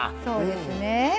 そうですね。